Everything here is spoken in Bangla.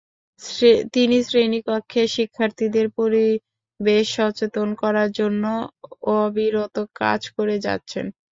তিনি শ্রেণীকক্ষে শিক্ষার্থীদের পরিবেশ সচেতন করার জন্য অবিরত কাজ করে যাচ্ছেন।